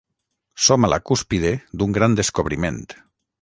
Som a la cúspide d'un gran descobriment.